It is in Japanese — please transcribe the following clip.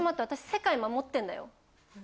私世界守ってるんだよ。